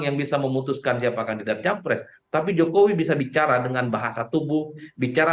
yang bisa memutuskan siapa kandidat capres tapi jokowi bisa bicara dengan bahasa tubuh bicara